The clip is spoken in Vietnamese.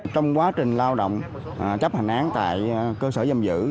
trong quá trình lao động chấp hành án tại cơ sở giam giữ